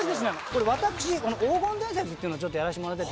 これ私『黄金伝説。』っていうのをちょっとやらせてもらってて。